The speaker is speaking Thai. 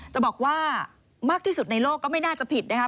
จะบอกว่ามากที่สุดในโลกก็ไม่น่าจะผิดนะคะ